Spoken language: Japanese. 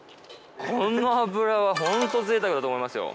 この脂はホントぜいたくだと思いますよ。